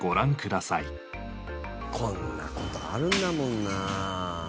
こんな事あるんだもんなあ。